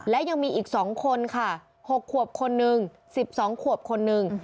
และยังมีอีก๒คนค่ะ๖ขวบคนนึง๑๒ขวบคนหนึ่ง